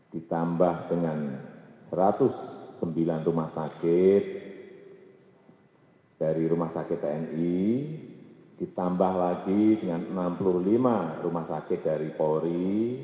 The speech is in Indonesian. ditambah dengan satu ratus sembilan rumah sakit dari rumah sakit tni ditambah lagi dengan enam puluh lima rumah sakit dari polri